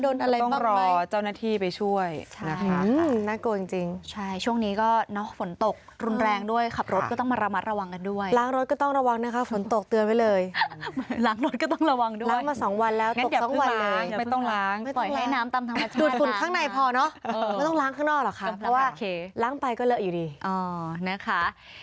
ต้องรอเจ้าหน้าที่ไปช่วยนะคะ